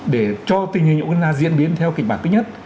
để cho tình hình của nước nga diễn biến theo kịch bản thứ nhất